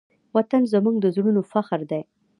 وطن زموږ د زړونو فخر دی.